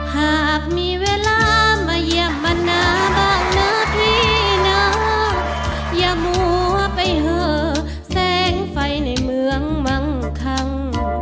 ถ้ามีเวลามาเยี่ยมมาหน้าบ้างนะพี่นะอย่ามัวไปเหอะแสงไฟในเมืองบางครั้ง